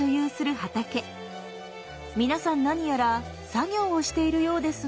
皆さん何やら作業をしているようですが。